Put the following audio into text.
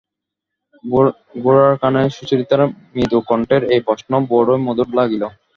গোরার কানে সুচরিতার মৃদু কণ্ঠের এই প্রশ্ন বড়ো মধুর লাগিল।